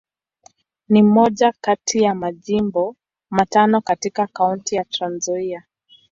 Ni moja kati ya Majimbo matano katika Kaunti ya Trans-Nzoia.